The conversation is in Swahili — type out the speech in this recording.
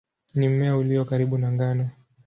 Ni mmea ulio karibu na ngano.